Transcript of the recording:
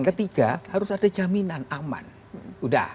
sekarang bagaimana kita hentikan kekerasan ini